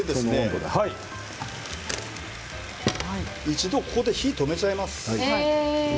一度ここで火を止めてしまいます。